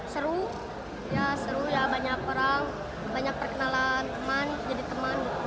seru ya seru ya banyak orang banyak perkenalan teman jadi teman